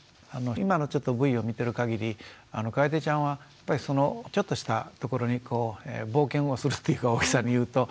今のちょっとＶを見てる限りかえでちゃんはちょっとしたところに冒険をするというか大げさに言うと。